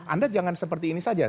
anda jangan seperti ini saja